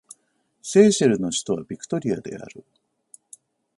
セーシェルの首都はビクトリアである